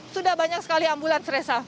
sudah banyak sekali ambulans resa